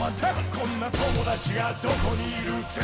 こんな友達がどこにいる？